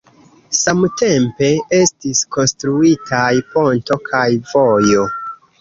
Samtempe estis konstruitaj ponto kaj vojo.